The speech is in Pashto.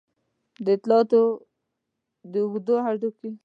د اوږدو هډوکو دوه سرونه د سفنجي نسج له ډلې څخه دي.